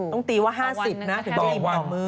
ต้องตีว่า๕๐บาทถึงจะอิ่มต่อมื้อ